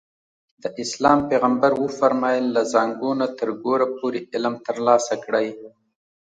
د اسلام پیغمبر وفرمایل له زانګو نه تر ګوره پورې علم ترلاسه کړئ.